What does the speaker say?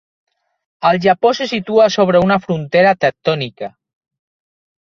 El Japó se situa sobre una frontera tectònica.